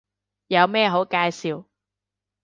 有咩好介紹